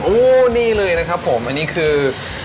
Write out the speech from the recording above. โอ้นี่เลยนะครับผมอันนี้คือ